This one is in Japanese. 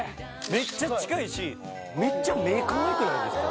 めっちゃ近いしめっちゃ目かわいくないですか？